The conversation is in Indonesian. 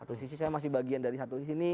satu sisi saya masih bagian dari satu di sini